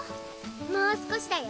もう少しだよ